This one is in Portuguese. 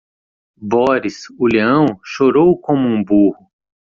Boris, o leão, chorou como um burro.